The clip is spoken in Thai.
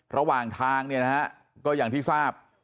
ระหว่างทางเนี่ยนะฮะก็อย่างที่ทราบ